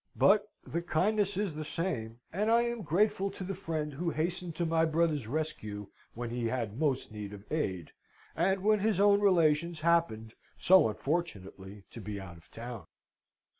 But the kindness is the same, and I am grateful to the friend who hastened to my brother's rescue when he had most need of aid, and when his own relations happened so unfortunately to be out of town."